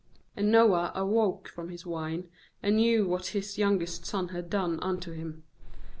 ^And Noah awoke from his wine, and knew what his youngest son had done unto him.